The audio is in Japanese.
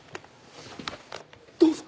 どうぞ！